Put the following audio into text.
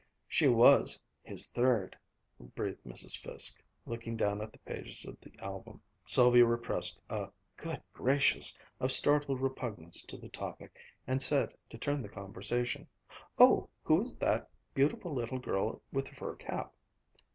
"She was his third," breathed Mrs. Fiske, looking down at the pages of the album. Sylvia repressed a "Good gracious!" of startled repugnance to the topic, and said, to turn the conversation, "Oh, who is that beautiful little girl with the fur cap?"